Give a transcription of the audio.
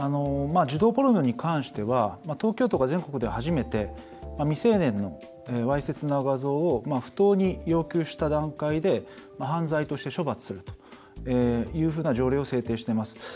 児童ポルノに関しては東京都が全国では初めて未成年のわいせつな画像を不当に要求した段階で犯罪として処罰するというふうな条例を制定しています。